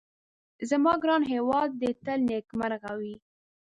زما ګران هيواد دي تل نيکمرغه وي